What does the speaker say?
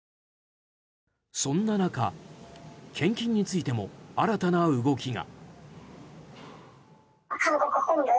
そんな中献金についても新たな動きが。